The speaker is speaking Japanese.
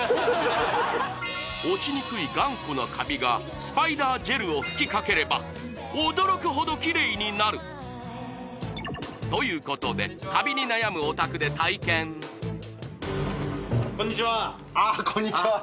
落ちにくい頑固なカビがスパイダージェルを吹きかければ驚くほどキレイになる！ということでカビに悩むお宅で体験こんにちはああこんにちは